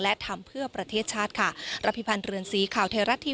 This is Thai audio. และทำเพื่อประเทศชาติค่ะ